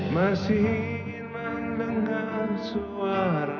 masih mendengar suara